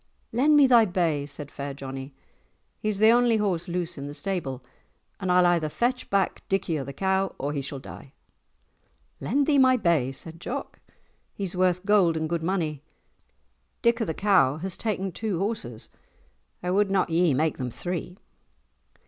"Lend me thy bay," said fair Johnie; "he is the only horse loose in the stable, and I'll either fetch back Dick o' the Cow, or he shall die." "Lend thee my bay!" said Jock; "he is worth gold and good money. Dick o' the Cow has taken two horses; I would not ye make them three."